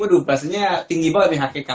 waduh bahasanya tinggi banget nih hakikat